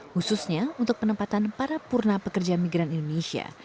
khususnya untuk penempatan para purna pekerja migran indonesia